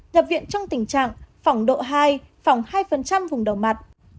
nhập viện trong tình trạng phỏng độ hai phỏng hai vùng đầu mặt